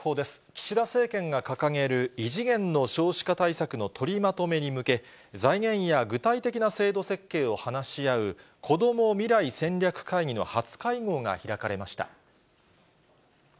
岸田政権が掲げる異次元の少子化対策の取りまとめに向け、財源や具体的な制度設計を話し合う、こども未来戦略会議の初会合が開かれました。